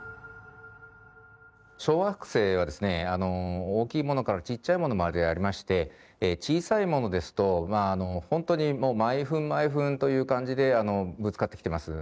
小惑星はですね大きいものからちっちゃいものまでありまして小さいものですと本当に毎分毎分という感じでぶつかってきてます。